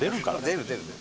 出る出る。